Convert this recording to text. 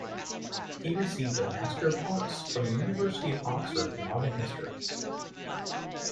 He received a Master of Arts from the University of Oxford in Modern History.